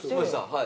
はい。